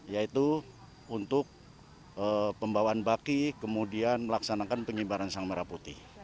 yaitu untuk pembawaan baki kemudian melaksanakan pengibaran sang merah putih